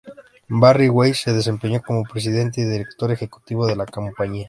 Barry Weiss se desempeñó como Presidente y Director Ejecutivo de la Compañía.